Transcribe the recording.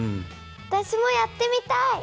わたしもやってみたい！